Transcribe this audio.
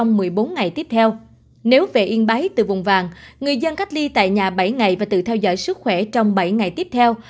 nếu về yên bái từ vùng vàng người dân cách ly tại nhà bảy ngày và tự theo dõi sức khỏe trong bảy ngày tiếp theo